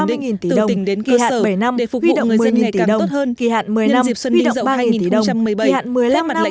tự tình đến cơ sở để phục vụ người dân ngày càng tốt hơn